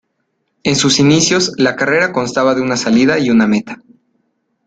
En sus inicios la carrera constaba de una salida y una meta.